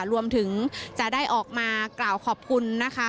รวมถึงจะได้ออกมากล่าวขอบคุณนะคะ